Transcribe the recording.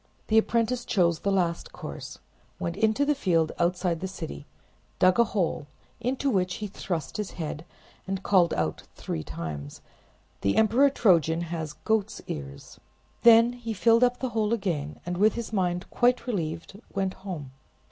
The apprentice chose the last course; went into the field outside the city, dug a hole, into which he thrust his head, and called out three times— "The Emperor Trojan has goat's ears." Then he filled up the hole again, and with his mind quite relieved went home.